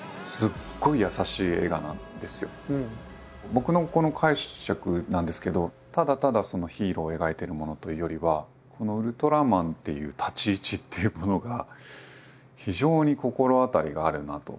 僕のこの解釈なんですけどただただヒーローを描いているものというよりはこのウルトラマンっていう立ち位置っていうものが非常に心当たりがあるなと。